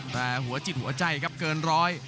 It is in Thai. แต่หัวจิตหัวใจครับเกิน๑๐๐ยกครับ